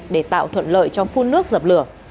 để tạo thuận lợi cho phun nước dập lửa